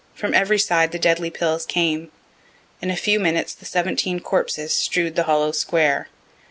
From every side the deadly pills came. In a few minutes the seventeen corpses strew'd the hollow square.